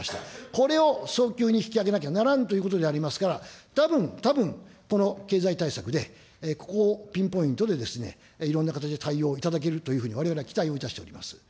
これを早急に引き上げなきゃならんということでありますから、たぶん、たぶん、この経済対策で、ここをピンポイントでいろんな形で対応いただけるというふうに、われわれは期待をいたしております。